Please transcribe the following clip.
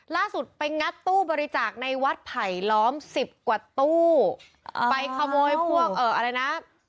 ล่าสุดไปงัดตู้บริจาคในวัดไผลล้อมสิบกว่าตู้ไปขโมยพวกเอ่ออะไรนะ